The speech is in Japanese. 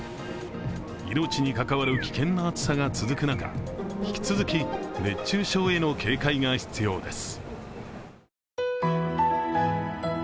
命に関わる危険な暑さが続く中、引き続き、熱中症への警戒が必要です。